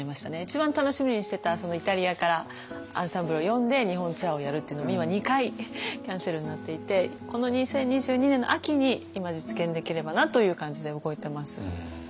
一番楽しみにしてたイタリアからアンサンブルを呼んで日本ツアーをやるっていうのも今２回キャンセルになっていてこの２０２２年の秋に今実現できればなという感じで動いてます。